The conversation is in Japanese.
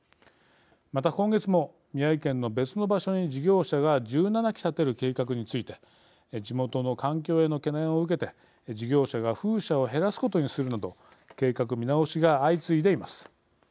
また今月も、宮城県の別の場所に事業者が１７基建てる計画について地元の環境への懸念を受けて事業者が風車を減らすことにするなど計画見直しが相次いでいます。